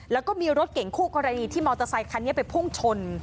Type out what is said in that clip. แล้วก็มีรถเก่งคู่กรณีที่มอเตอร์ไซคันนี้ไปพุ่งชน